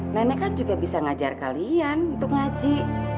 nenek kan juga bisa ngajar kalian untuk ngaji